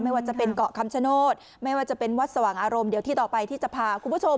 ว่าจะเป็นเกาะคำชโนธไม่ว่าจะเป็นวัดสว่างอารมณ์เดี๋ยวที่ต่อไปที่จะพาคุณผู้ชม